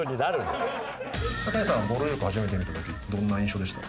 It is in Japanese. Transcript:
坂井さんはぼる塾初めて見た時どんな印象でした？